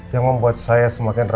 yang membuat saya semakin rela